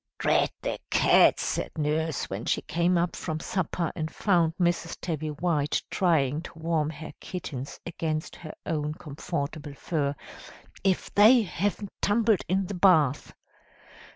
"'Drat the cats!' said Nurse, when she came up from supper, and found Mrs. Tabby White trying to warm her kittens against her own comfortable fur; 'if they haven't tumbled in the bath!'